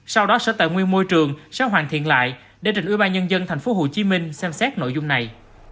sau đó sở tài nguyên môi trường sẽ hoàn thiện lại để đỉnh ủy ban nhân dân thành phố hồ chí minh xem xét nội dung này